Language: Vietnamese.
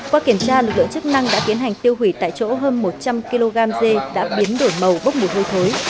qua kiểm tra lực lượng chức năng đã tiến hành tiêu hủy tại chỗ hơn một trăm linh kg dê đã biến đổi màu bốc mùi hôi thối